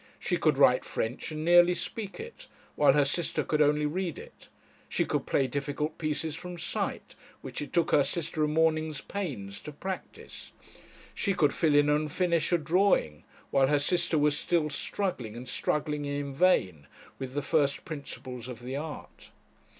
She could write French and nearly speak it, while her sister could only read it. She could play difficult pieces from sight, which it took her sister a morning's pains to practise. She could fill in and finish a drawing, while her sister was still struggling, and struggling in vain, with the first principles of the art.